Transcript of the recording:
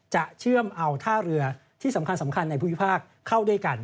เชื่อมเอาท่าเรือที่สำคัญสำคัญในภูมิภาคเข้าด้วยกัน